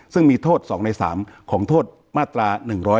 ซึ่งมีโทษ๒ใน๓ของโทษมาตรา๑๕